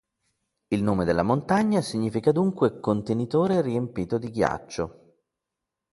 Il nome della montagna significa dunque “contenitore riempito di ghiaccio”.